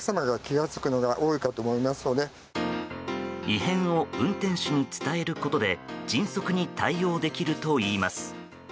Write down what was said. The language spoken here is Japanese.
異変を運転手に伝えることで迅速に対応できるといいます。